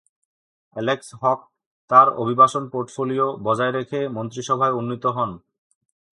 Alex Hawke তার অভিবাসন portfolio বজায় রেখে মন্ত্রিসভায় উন্নীত হন।